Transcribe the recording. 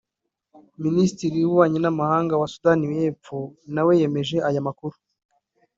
Minisitiri w’Ububanyi n’Amahanga wa Sudani y’Epfo na we yemeje ayo makuru